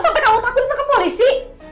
sampai kamu takut ditangkap polisi